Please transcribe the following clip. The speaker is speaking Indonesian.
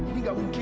ini enggak mungkin